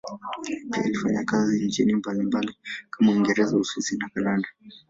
Pia alifanya kazi nchini mbalimbali kama Uingereza, Uswisi na Kanada.